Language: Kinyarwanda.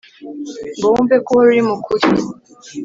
ngo wumve ko uhora uri mukuri